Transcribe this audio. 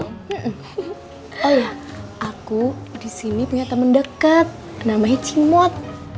oh iya aku di sini punya temen dekat namanya cimot